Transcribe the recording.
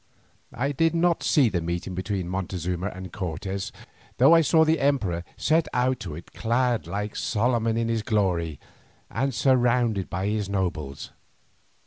I did not see the meeting between Montezuma and Cortes, though I saw the emperor set out to it clad like Solomon in his glory and surrounded by his nobles.